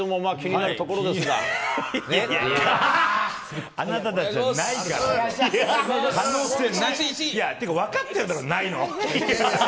だって分かってるだろ、ないの。